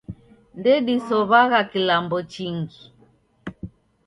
Ndedisow'agha kilambo chingi.